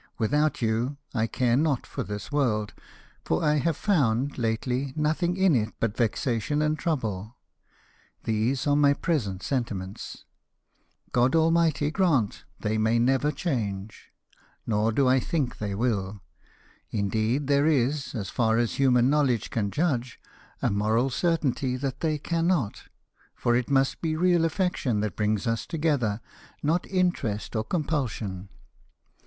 Without you, I care not for this world ; for I have found, lately, nothing in it but vexation and trouble. These are my present sentiments. God Almighty grant they may never change ! Nor do I think they will. Indeed there is, as far as human knowledge can judge, a moral certainty that they cannot, for it must be real affection that brings us together, not interest or com pulsion."